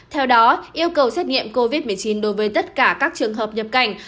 theo đó yêu cầu xét nghiệm covid một mươi chín đối với tất cả các trường hợp nhập cảnh